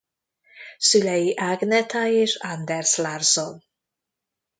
Szülei Agnetha és Anders Larsson.